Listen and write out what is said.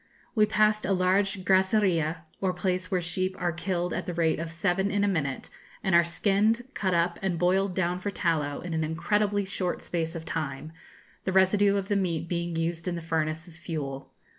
We passed a large grasseria, or place where sheep are killed at the rate of seven in a minute, and are skinned, cut up, and boiled down for tallow in an incredibly short space of time, the residue of the meat being used in the furnace as fuel.